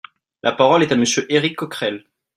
La parole est à Monsieur Éric Coquerel.